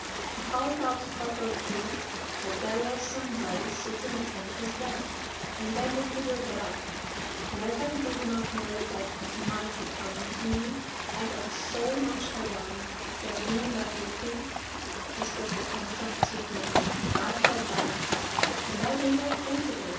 I called out to Corporal Q—— that there was somebody sitting upon his bed, and then the figure got up; and as I did not know but it might be coming to me, I got so much alarmed, that being but weakly' (this was the consumptive man), 'I fell back, and I believe I fainted away.